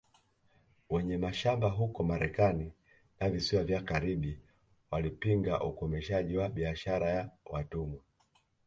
Wenye mashamba huko Marekani na visiwa vya Karibi walipinga ukomeshaji wa biashara ya watumwa